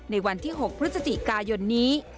ในวันที่๖พฤศจิกายนนี้